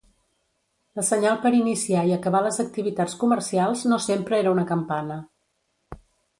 La senyal per iniciar i acabar les activitats comercials no sempre era una campana.